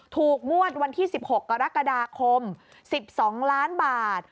ถูกงวดวันที่๑๖กรกฎาคม๑๒ล้านบาท